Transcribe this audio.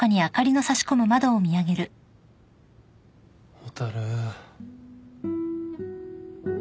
蛍。